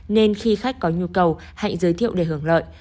nên khi khách có nhu cầu hãy giới thiệu để hưởng lợi